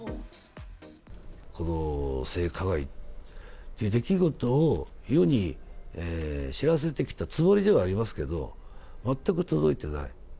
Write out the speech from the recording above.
この性加害っていう出来事を、世に知らせてきたつもりではありますけれども、全く届いてない。